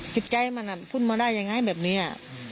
จิตใจมันพูดมาได้ยังไงแบบนี้